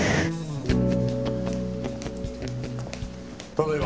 ただいま。